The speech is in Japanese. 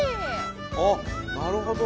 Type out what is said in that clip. あっなるほど。